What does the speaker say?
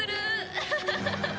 アハハハハッ！